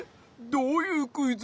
どういうクイズ？